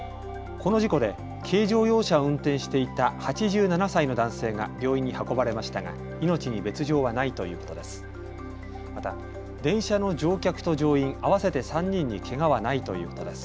この事故で軽乗用車を運転していた８７歳の男性が病院に運ばれましたが命に別状はないということです。